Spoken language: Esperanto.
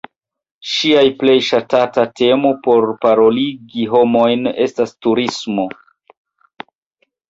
Ŝia plej ŝatata temo por paroligi homojn estas "turismo".